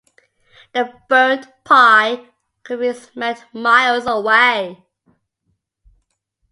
The burnt pie could be smelt miles away.